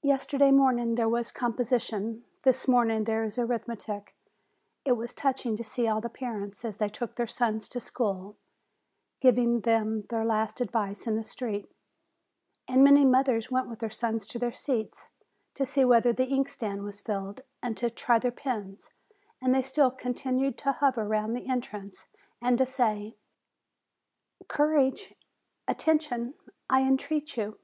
Yesterday morning there was composition; this morning there is arithmetic. It was touching to see all the parents, as they took their sons to school, giving them their THE EXAMINATIONS 341 last advice in the street, and many mothers went with their sons to their seats, to see whether the inkstand was filled, and to try their pens, and they still contin ued to hover round the entrance, and to say : "Courage! Attention! I entreat you."